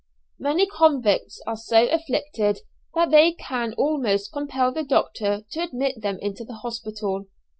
Many convicts are so afflicted that they can almost compel the doctor to admit them into the hospital.